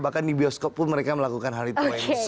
bahkan di bioskop pun mereka melakukan hal itu